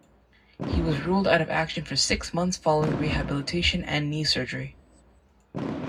He was ruled out of action for six months following rehabilitation and knee surgery.